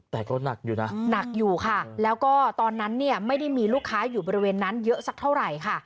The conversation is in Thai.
แต่ก็หนักอยู่นะหนักอยู่ค่ะแล้วก็ตอนนั้นเนี่ยไม่ได้มีลูกค้าอยู่บริเวณนั้นเยอะสักเท่าไหร่ค่ะ